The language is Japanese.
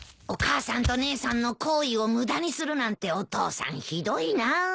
お母さんと姉さんの厚意を無駄にするなんてお父さんひどいな。